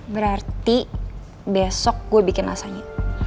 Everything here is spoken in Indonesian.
berarti besok gue bikin rasanya